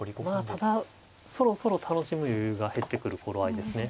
まあただそろそろ楽しむ余裕が減ってくる頃合いですね。